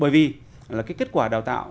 bởi vì là cái kết quả đào tạo